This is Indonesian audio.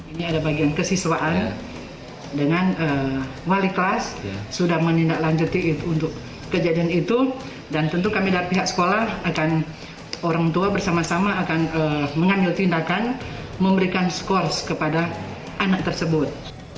ini ada bagian kesiswaan dengan wali kelas sudah menindaklanjuti itu untuk kejadian itu dan tentu kami dari pihak sekolah akan orang tua bersama sama akan mengambil tindakan memberikan skors kepada anak tersebut